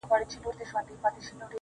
حیرانه ده ادکه یې له شماره ورکه کړې ده